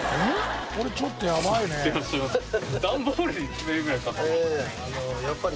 「これちょっとやばいね」